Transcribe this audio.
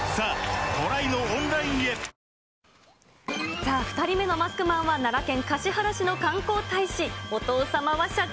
さあ、２人目のマスクマンは、奈良県橿原市の観光大使、お父様は社長。